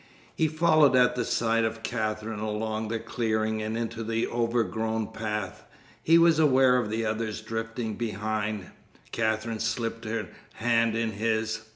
He followed at the side of Katherine across the clearing and into the overgrown path. He was aware of the others drifting behind. Katherine slipped her hand in his.